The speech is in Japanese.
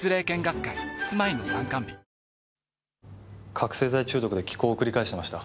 覚せい剤中毒で奇行を繰り返してました。